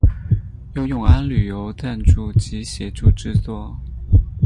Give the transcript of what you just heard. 由永安旅游赞助及协助制作。